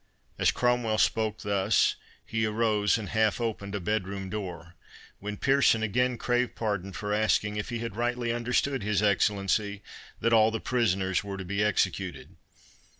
As Cromwell spoke thus, he arose and half opened a bedroom door, when Pearson again craved pardon for asking if he had rightly understood his Excellency, that all the prisoners were to be executed.